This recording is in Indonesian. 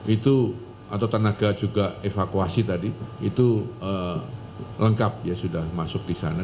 itu atau tenaga juga evakuasi tadi itu lengkap ya sudah masuk di sana